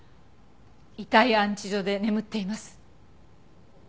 遺体安置所で眠っています。